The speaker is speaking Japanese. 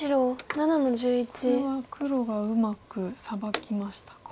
これは黒がうまくサバきましたか。